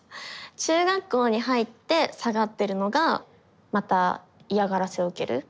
中学校に入って下がってるのがまた嫌がらせを受ける。